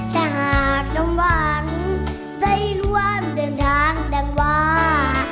แต่หากต้องหวังใจรวมเดินทางดังว่า